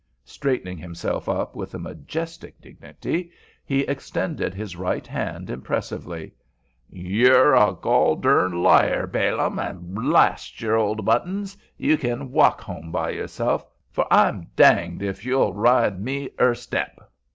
Straightening himself up with a majestic dignity, he extended his right hand impressively. "You're a goldarn liar, Balaam, and, blast your old buttons, you kin walk home by yourself, for I'm danged if you sh'll ride me er step."